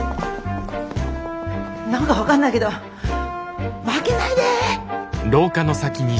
何か分かんないけど負けないで。